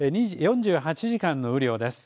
４８時間の雨量です。